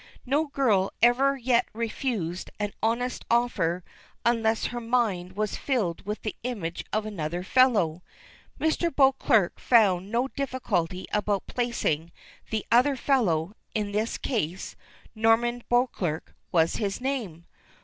No girl ever yet refused an honest offer unless her mind was filled with the image of another fellow. Mr. Beauclerk found no difficulty about placing "the other fellow" in this case. Norman Beauclerk was his name!